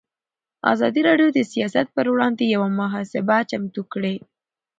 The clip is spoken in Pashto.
ازادي راډیو د سیاست پر وړاندې یوه مباحثه چمتو کړې.